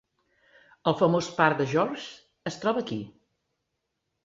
El famós pub "The George" es troba aquí.